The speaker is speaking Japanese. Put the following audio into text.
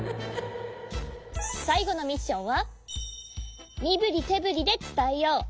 さいごのミッションは「みぶりてぶりでつたえよう」。